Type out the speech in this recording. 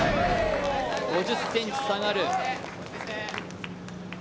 ５０ｃｍ下がる。